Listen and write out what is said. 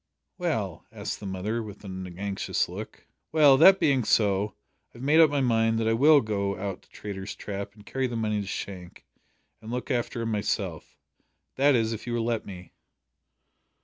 '" "Well?" asked the mother, with an anxious look. "Well that being so, I have made up my mind that I will go out to Traitor's Trap and carry the money to Shank, and look after him myself. That is, if you will let me."